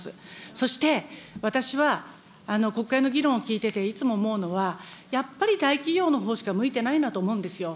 そして私は国会の議論を聞いてていつも思うのは、やっぱり大企業のほうしか向いてないなと思うんですよ。